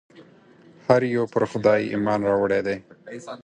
هر یو پر خدای ایمان راوړی دی.